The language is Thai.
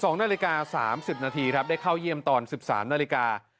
๒นาฬิกา๓๐นาทีครับได้เข้าเยี่ยมตอน๑๓นาฬิกา